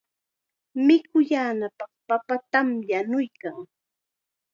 Mikuyaananpaq papatam yanuykan.